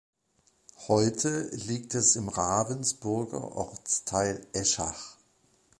Heute liegt es im Ravensburger Ortsteil Eschach.